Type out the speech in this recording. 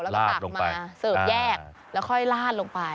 แล้วก็ตักมาเสิร์ฟแยกแล้วค่อยลาดลงไป